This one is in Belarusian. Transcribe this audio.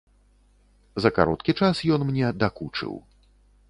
За кароткі час ён мне дакучыў.